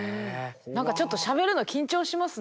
何かちょっとしゃべるの緊張しますね。